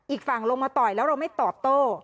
อีกฝั่งลงมาต่อยแล้วเราไม่ตอบโต้